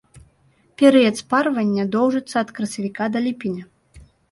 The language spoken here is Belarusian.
Перыяд спарвання доўжыцца ад красавіка да ліпеня.